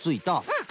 うん。